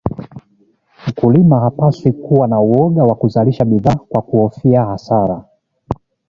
mkulima hapaswi kuwa na Uoga wa kuzalisha bidhaa kwa kukuhofia hasara